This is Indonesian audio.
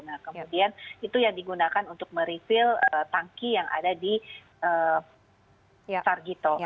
nah kemudian itu yang digunakan untuk merefill tangki yang ada di sarjito